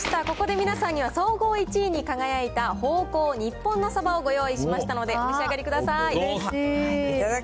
ここで皆さんには、総合１位に輝いた、宝幸日本のさばをご用意しましたので、お召しうれしい。